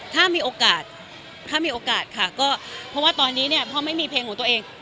ถ้ามีโอกาสถ้ามีโอกาสค่ะก็เพราะว่าตอนนี้เนี่ยพ่อไม่มีเพลงของตัวเอง